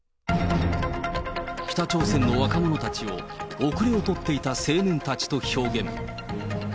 北朝鮮の若者たちを、後れを取っていた青年たちと表現。